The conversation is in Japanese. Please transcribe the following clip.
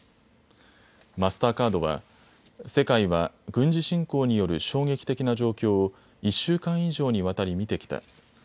マスターカードは世界は軍事侵攻による衝撃的な状況を１週間以上にわたり見てきた。